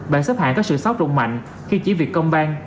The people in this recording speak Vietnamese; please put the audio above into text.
bản xếp hạng có sự sót rụng mạnh khi chỉ việc công ban